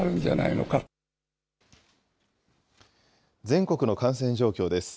全国の感染状況です。